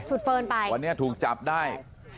เฟิร์นไปวันนี้ถูกจับได้